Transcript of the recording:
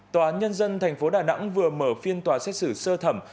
tòa án nhân dân tp đà nẵng vừa mở phiên tòa xét xử sơ thẩm